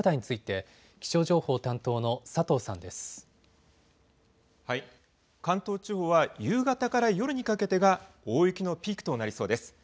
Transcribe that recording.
関東地方は夕方から夜にかけてが大雪のピークとなりそうです。